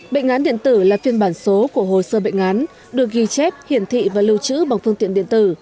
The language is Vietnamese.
bệnh án điện tử là phiên bản số của hồ sơ bệnh án được ghi chép hiển thị và lưu trữ bằng phương tiện điện tử